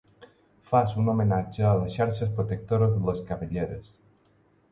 Fas un homenatge a les xarxes protectores de les cabelleres.